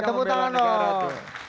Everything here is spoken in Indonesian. wah kebutuhan dong